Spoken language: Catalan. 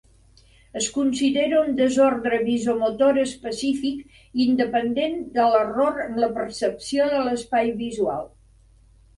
Es considera un desordre visomotor específic, independent de l'error en la percepció de l'espai visual.